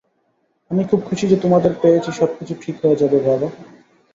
আমি খুব খুশি যে তোমাদের পেয়েছি সব কিছু ঠিক হয়ে যাবে বাবা।